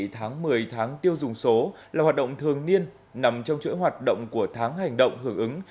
tháng một mươi tháng tiêu dùng số là hoạt động thường niên nằm trong chuỗi hoạt động của tháng hành động hưởng ứng